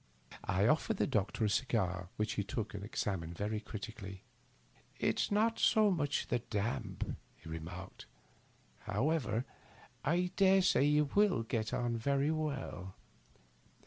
I offered the doctor a cigar, which he took and ex amined very critically. " It is^not so much the damp," he remarked. " How ever, I dare say you will get on very well.